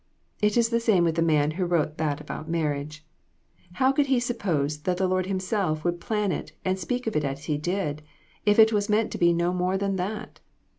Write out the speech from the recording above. It is the same with the man who wrote that about marriage. How could he sup pose that the Lord himself would plan it and speak of it as he did, if it was meant to be no more than that?